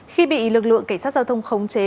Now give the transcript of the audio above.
khi bị lực lượng cảnh sát giao thông khống chế